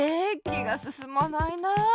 きがすすまないなあ。